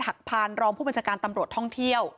หักพานรองผู้บัญชาการตำรวจท่องเที่ยว